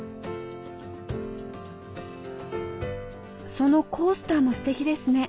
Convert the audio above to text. そのコースターもすてきですね。